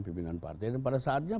pimpinan partai pada saatnya